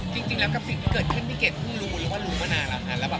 จริงแล้วกับสิ่งที่เกิดขึ้นพี่เกดเพิ่งรู้หรือว่ารู้มานานแล้วค่ะ